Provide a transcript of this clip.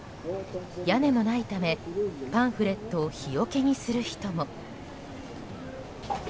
屋根もないためパンフレットを日よけにする人も。